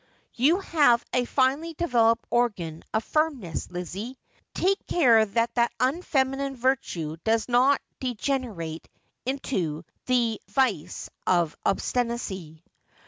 You have a finely developed organ of firmness, Lizzie. Take care that unfeminine virtue does not degenerate into the vies of obstinacy.'